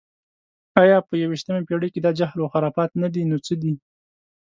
ایا په یویشتمه پېړۍ کې دا جهل و خرافات نه دي، نو څه دي؟